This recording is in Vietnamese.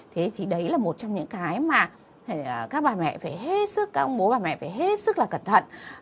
thế thì đấy là một trong những cái mà các bà mẹ phải hết sức các ông bố bà mẹ phải hết sức là cẩn thận